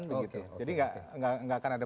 begitu jadi nggak akan ada